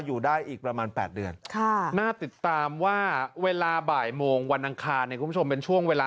อืมนะฮะแล้วก็